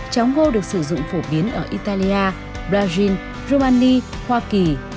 cháo ngô được sử dụng phổ biến ở italia brazil romania hoa kỳ